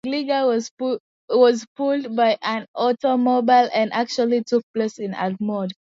The glider was pulled by an automobile and actually took place in Ormond.